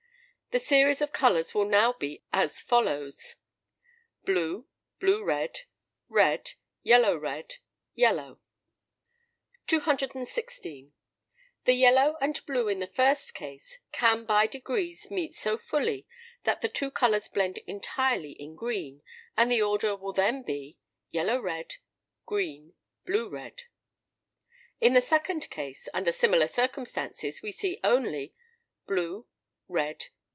The series of colours will now be as follows: Blue. Blue red. Red. Yellow red. Yellow. 216. The yellow and blue, in the first case (214), can by degrees meet so fully, that the two colours blend entirely in green, and the order will then be, Yellow red. Green. Blue red. In the second case (215), under similar circumstances, we see only Blue. Red.